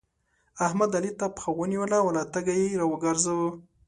احمد؛ علي ته پښه ونيوله او له تګه يې راوګرځاوو.